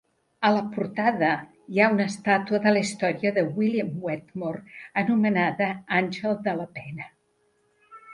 A la portada hi ha una estàtua de la història de William Wetmore anomenada "Àngel de la pena".